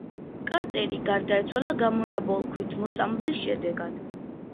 კარტერი გარდაიცვალა გამონაბოლქვით მოწამვლის შედეგად.